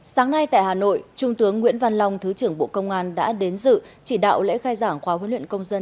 sáng nay tại hà nội trung tướng nguyễn văn long thứ trưởng bộ công an đã đến dự chỉ đạo lễ khai giảng khóa huấn luyện công dân